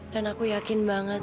dan aku yakin banget